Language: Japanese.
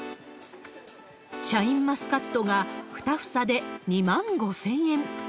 シャインマスカットが２房で２万５０００円。